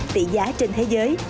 tỷ giá trên thế giới